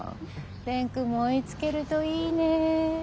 蓮くんも追いつけるといいね。